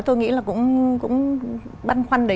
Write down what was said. tôi nghĩ là cũng băn khoăn đấy